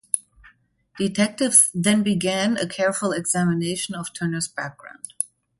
Detectives then began a careful examination of Turner's background.